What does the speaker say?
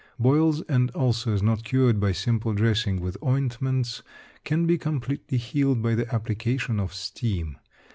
Boils and ulcers not cured by simple dressing with ointments can be completely healed by the application of steam.